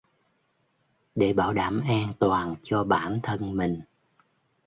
Để bảo đảm an toàn cho bản thân mình